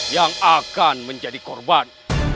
yang akan menjadi korban